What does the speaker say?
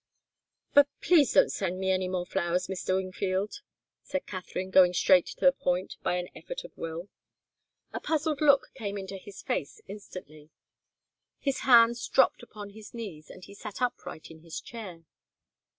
"But please don't send me any more flowers, Mr. Wingfield," said Katharine, going straight to the point by an effort of will. A puzzled look came into his face instantly. His hands dropped upon his knees, and he sat upright in his chair.